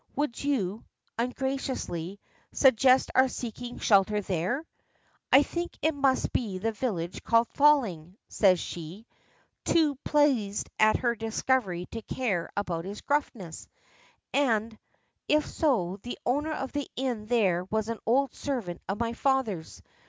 Would you," ungraciously, "suggest our seeking shelter there?" "I think it must be the village called 'Falling,'" says she, too pleased at her discovery to care about his gruffness, "and if so, the owner of the inn there was an old servant of my father's.